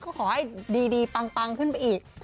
ก็ขอให้ดีปังขึ้นไปอีก